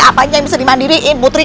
apanya yang bisa dimandiriin putri